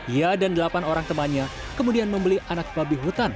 ia dan delapan orang temannya kemudian membeli anak babi hutan